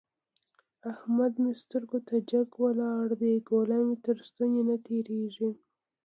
احمد مې سترګو ته جګ ولاړ دی؛ ګوله مې تر ستوني نه تېرېږي.